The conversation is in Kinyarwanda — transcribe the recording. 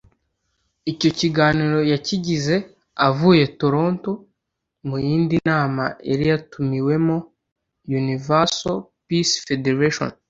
Icyo kiganiro yakigize avuye Toronto mu yindi nama yari yatumiwemo “Universal Peace Federation